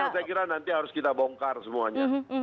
itu yang saya kira nanti harus kita bongkar semuanya